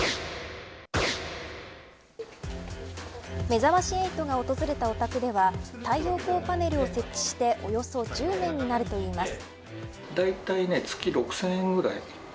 めざまし８が訪れたお宅では太陽光パネルを設置しておよそ１０年になるといいます。